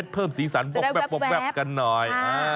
เพิ่มสีสันกันหน่อย